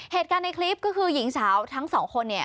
เหตุการณ์ในคลิปก็คือหญิงสาวทั้งสองคนเนี่ย